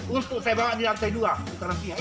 untuk saya bawa di lantai dua